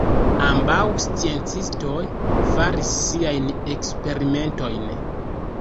Ambaŭ sciencistoj faris siajn eksperimentojn.